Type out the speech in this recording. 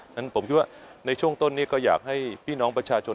ฉะผมคิดว่าในช่วงต้นนี้ก็อยากให้พี่น้องประชาชน